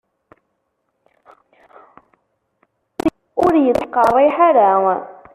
Ur yettqerriḥ ara.